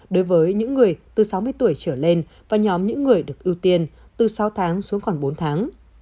đối với những người từ sáu mươi tuổi trở lên và nhóm những người được ưu tiên từ sáu tháng xuống còn bốn tháng